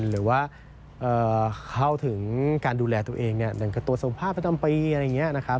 หรือว่าเข้าถึงการดูแลตัวเองอย่างกับตัวส่งภาพประจำปีอะไรอย่างนี้นะครับ